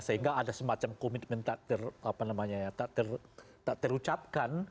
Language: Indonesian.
sehingga ada semacam komitmen tak terucapkan